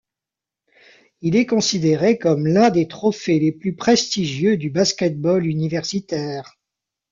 Il est considéré comme l'un des trophées les plus prestigieux du basket-ball universitaire.